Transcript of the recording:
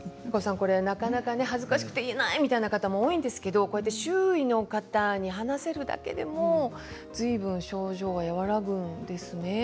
なかなか恥ずかしくて言えないという方も多いんですが周囲の方に話せるだけでもずいぶん症状が和らぐんですね。